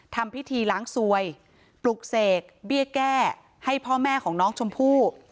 ทำพิธีล้างสวยปลุกเสกเบี้ยแก้ให้พ่อแม่ของน้องชมพู่